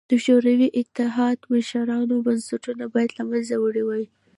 د شوروي اتحاد مشرانو بنسټونه باید له منځه وړي وای